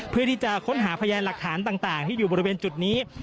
เพื่อที่จะค้นหาพยานหลักฐานต่างที่อยู่บริเวณจุดนี้